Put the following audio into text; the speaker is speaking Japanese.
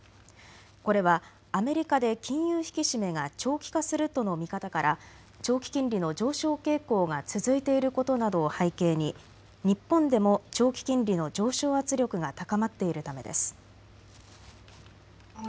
これはアメリカで金融引き締めが長期化するとの見方から長期金利の上昇傾向が続いていることなどを背景に日本でも長期金利の上昇圧力が高まっているためです。